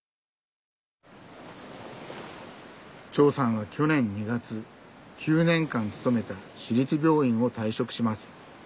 長さんは去年２月９年間勤めた市立病院を退職します。